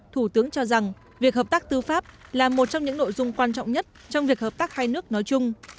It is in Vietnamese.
thủ tướng cho rằng việc hợp tác tư pháp là một trong những nội dung quan trọng nhất trong việc hợp tác hai nước nói chung